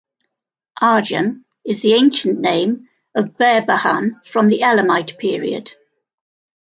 Arjan is the ancient name of Behbahan from the Elamite period.